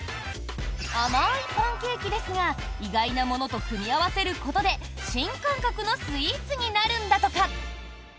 甘いパンケーキですが意外なものと組み合わせることで新感覚のスイーツになるんだとか。